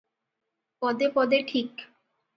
ପଦେ ପଦେ ଠିକ୍ ।